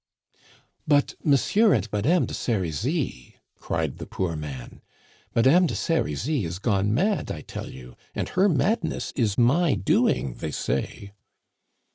"But, Monsieur and Madame de Serizy?" cried the poor man. "Madame de Serizy is gone mad, I tell you, and her madness is my doing, they say."